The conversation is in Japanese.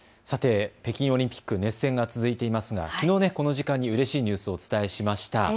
さて北京オリンピック、熱戦が続いていますが、きのうこの時間にうれしいニュースをお伝えしました。